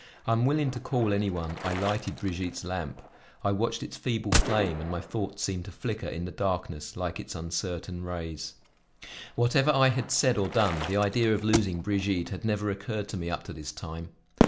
Unwilling to call any one, I lighted Brigitte's lamp; I watched its feeble flame and my thoughts seemed to flicker in the darkness like its uncertain rays. Whatever I had said or done, the idea of losing Brigitte had never occurred to me up to this time.